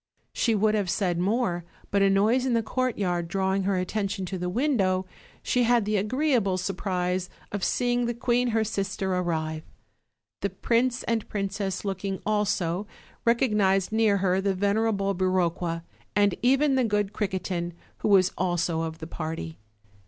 She would have said more, but a noise in the courtyard drawing her attention to the window, she had the agreeable surprise of seeing the queen her sister arrive. The prince and princess looking also, recognized near her the venerable Biroqua, and even the good Criquetin, who was also of the party.